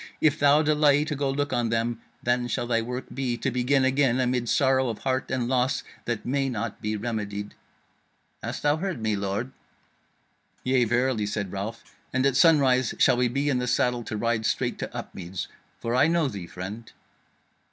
If thou delay to go look on them, then shall thy work be to begin again amid sorrow of heart and loss that may not be remedied.' Hast thou heard me, lord?" "Yea, verily," said Ralph, "and at sunrise shall we be in the saddle to ride straight to Upmeads. For I know thee, friend."